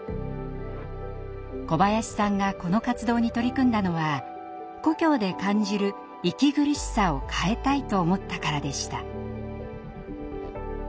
小林さんがこの活動に取り組んだのは故郷で感じる息苦しさを変えたいと思ったからでした。